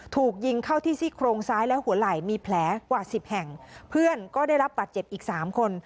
ถูกยิงเข้าที่ซี่โครงซ้ายและหัวไหล่มีแผลกว่าสิบแห่งเพื่อนก็ได้รับบาดเจ็บอีกสามคน